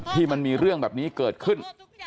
ที่มีเรื่องแบบนี้เกิดขึ้น